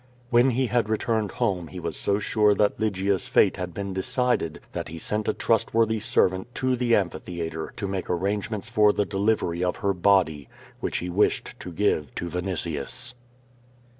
When he had returned home he was so sure that Lygia's fate had been decided, that he sent a trustworthy servant to the amphitheatre to make arrangements for the delivery of her body, which he wished to give to Vinitius.